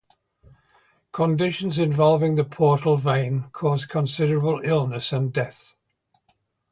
Conditions involving the portal vein cause considerable illness and death.